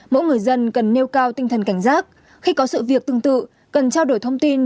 mỗi người dân cần nêu cao tinh thần cảnh giác khi có sự việc tương tự cần trao đổi thông tin